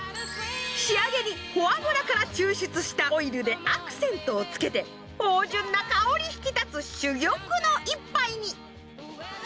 仕上げにフォアグラから抽出したオイルでアクセントをつけて芳じゅんな香り引き立つ珠玉の一杯に。